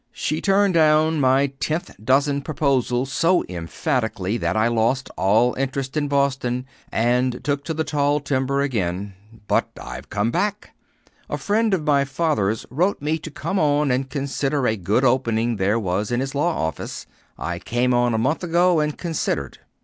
She turned down my tenth dozen proposal so emphatically that I lost all interest in Boston and took to the tall timber again. But I've come back. A friend of my father's wrote me to come on and consider a good opening there was in his law office. I came on a month ago, and considered.